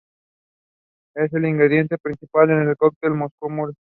Es el ingrediente principal en el cóctel Moscow Mule.